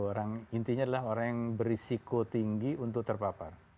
orang intinya adalah orang yang berisiko tinggi untuk terpapar